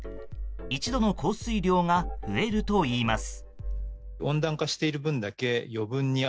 一度の降水量が増えるといいます。